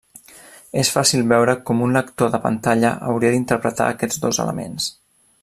És fàcil veure com un lector de pantalla hauria d'interpretar aquests dos elements.